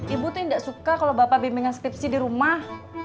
ibu tuh yang tidak suka kalau bapak bimbingan skripsi di rumah